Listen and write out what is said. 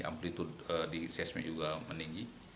amplitude di seismik juga meninggi